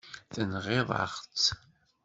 Tenɣiḍ-aɣ-tt.